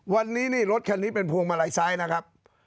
วันนี้นี่รถคันนี้เป็นพวงมาลัยซ้ายนะครับ